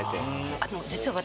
あの実は私。